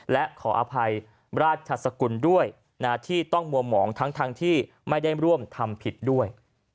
และขออภัยราชสกุลด้วยที่ต้องมัวหมองทั้งที่ไม่ได้ร่วมทำผิดด้วย